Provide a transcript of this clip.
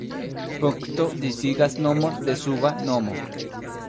Punkto disigas nomon de suba nomo.